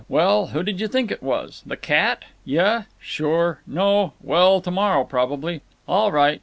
Well, who did you think it was? The cat? Yuh. Sure. No. Well, to morrow, probably. All right.